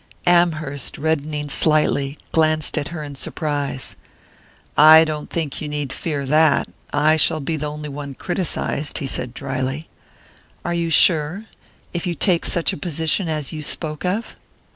Amherst, reddening slightly, glanced at her in surprise. "I don't think you need fear that I shall be the only one criticized," he said drily. "Are you sure if you take such a position as you spoke of?